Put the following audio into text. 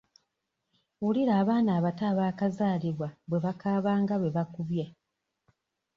Wulira abaana abato abaakazalibwa bwe bakaaba nga be bakubye.